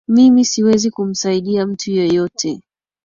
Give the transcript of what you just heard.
Mimi siwezi kumsaidia mtu yeyote